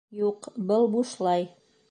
Юҡ, был бушлай